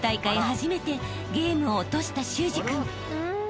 初めてゲームを落とした修志君］